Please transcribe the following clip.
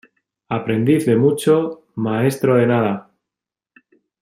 Aprendiz de mucho, maestro de nada.